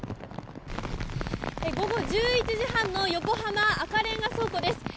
午後１１時半の横浜赤レンガ倉庫です。